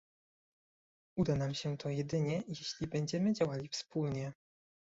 Uda nam się to jedynie, jeśli będziemy działali wspólnie